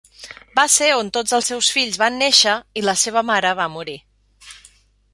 Va ser on tots els seus fills van néixer i la seva mare va morir.